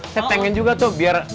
saya pengen juga tuh biar